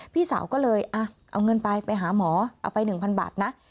พี่สาวก็เลยเอาเงินไปไปหาหมอเอาไป๑๐๐บาทนะ